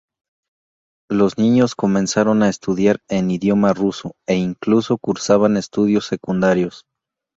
Los niños comenzaron a estudiar en idioma ruso, e incluso cursaban estudios secundarios.